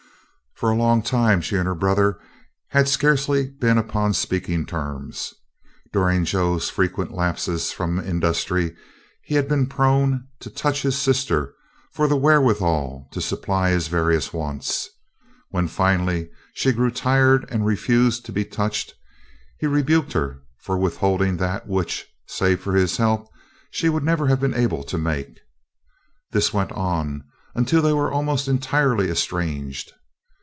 For a long time she and her brother had scarcely been upon speaking terms. During Joe's frequent lapses from industry he had been prone to "touch" his sister for the wherewithal to supply his various wants. When, finally, she grew tired and refused to be "touched," he rebuked her for withholding that which, save for his help, she would never have been able to make. This went on until they were almost entirely estranged.